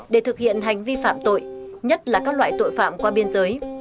để thực hiện hành vi phạm tội nhất là các loại tội phạm qua biên giới